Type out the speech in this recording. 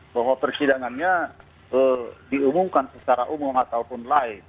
bahwa persidangannya diumumkan secara umum ataupun live